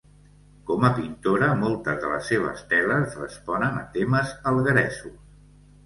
Com a pintora, moltes de les seves teles responen a temes algueresos.